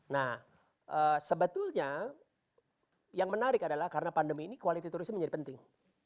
nah sebetulnya yang menarik adalah karena pandemi ini kualiti turisme menjadi penting